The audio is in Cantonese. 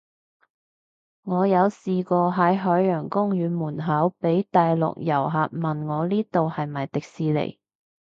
我有試過喺海洋公園門口，被大陸遊客問我呢度係咪迪士尼